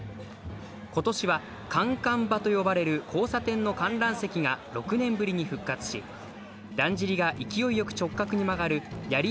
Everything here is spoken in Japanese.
ことしはカンカン場と呼ばれる交差点の観覧席が６年ぶりに復活し、だんじりが勢いよく直角に曲がるやり